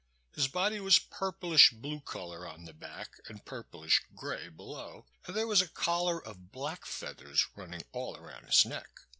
His body was purplish blue color on the back and purplish gray below, and there was a collar of black feathers running all around his neck.